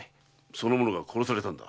その者が殺されたのだ。